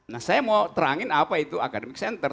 nah saya mau terangin apa itu academic center